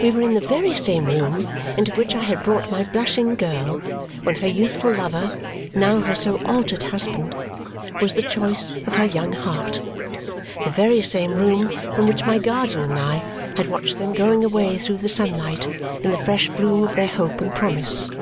We were in the very same room into which I had brought my blushing girl when her youthful lover, now her so altered husband, was the choice of her young heart, the very same room from which my guardian and I had watched them going away through the sunlight in the fresh bloom of their hope and promise.